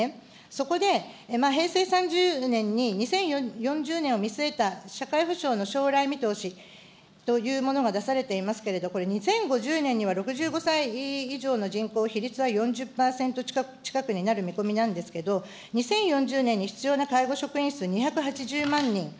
そこで、平成３０年に、２０４０年を見据えた社会保障の将来見通しというものが出されていますけど、これ、２０５０年には６５歳以上の人口、比率は４０％近くになる見込みなんですけど、２０４０年に必要な介護職員数２８０万人。